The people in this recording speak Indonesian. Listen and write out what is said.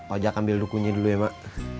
ojak ambil dukunya dulu ya mak